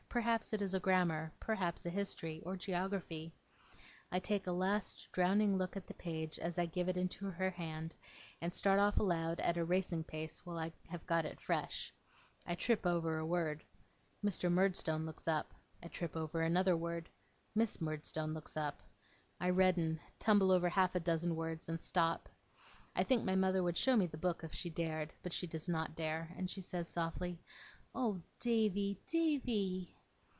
Perhaps it is a grammar, perhaps a history, or geography. I take a last drowning look at the page as I give it into her hand, and start off aloud at a racing pace while I have got it fresh. I trip over a word. Mr. Murdstone looks up. I trip over another word. Miss Murdstone looks up. I redden, tumble over half a dozen words, and stop. I think my mother would show me the book if she dared, but she does not dare, and she says softly: 'Oh, Davy, Davy!